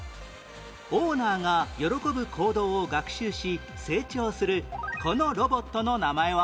オーナーが喜ぶ行動を学習し成長するこのロボットの名前は？